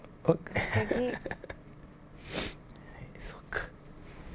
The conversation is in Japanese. そっか。